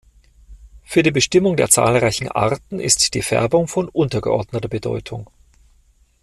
Für die Bestimmung der zahlreichen Arten ist die Färbung von untergeordneter Bedeutung.